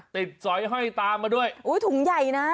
ติดสอยให้ตามมาด้วยถุงใหญ่นะ